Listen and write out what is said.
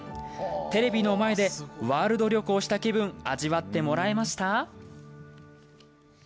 テレビの前でワールド旅行した気分味わってもらえました？